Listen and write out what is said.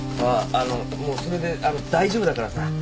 あっあのもうそれであの大丈夫だからさ。